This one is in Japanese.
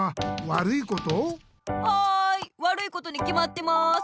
はいわるいことにきまってます！